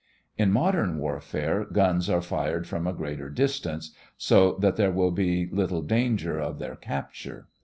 In modern warfare, guns are fired from a greater distance, so that there will be little danger of their capture.